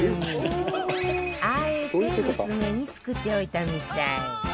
あえて薄めに作っておいたみたい